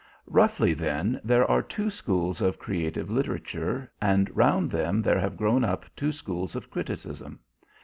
Roughly, then, there are two schools of creative literature, and round them there have grown up two schools of criticism.